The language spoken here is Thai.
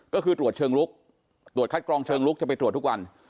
ก็คือตรวจเชิงลุกตรวจคัดกรองเชิงลุกจะไปตรวจทุกวัน